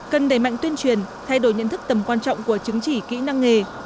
cần đẩy mạnh tuyên truyền thay đổi nhận thức tầm quan trọng của chứng chỉ kỹ năng nghề